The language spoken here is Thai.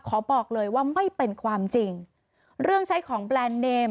ขอบอกเลยว่าไม่เป็นความจริงเรื่องใช้ของแบรนด์เนม